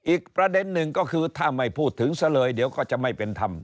อีกประเด็นหนึ่งก็คือถ้าไม่พูดถึงซะเลยเดี๋ยวก็จะไม่เป็นธรรม